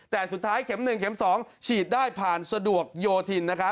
แต่สุดท้ายเข็ม๑เข็ม๒ฉีดได้ผ่านสะดวกโยธิน